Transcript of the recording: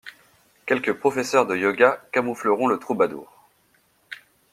Quelques professeurs de yoga camoufleront le troubadour.